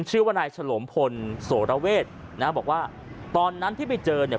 ชื่อว่านายฉลมพลโสระเวทนะบอกว่าตอนนั้นที่ไปเจอเนี่ย